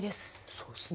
そうですね